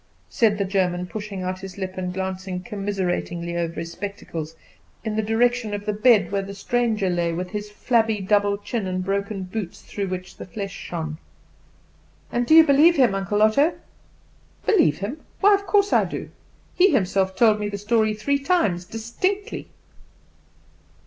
said the German, pushing out his lip and glancing commiseratingly over his spectacles in the direction of the bed where the stranger lay, with his flabby double chin, and broken boots through which the flesh shone. "And do you believe him, Uncle Otto?" "Believe him? why of course I do. He himself told me the story three times distinctly."